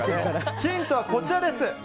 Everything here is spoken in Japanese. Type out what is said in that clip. ヒントはこちらです。